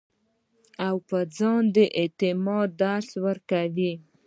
او پۀ ځان د اعتماد درس ورکوي -